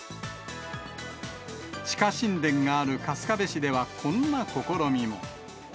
地下神殿がある春日部市ではこんな試みも。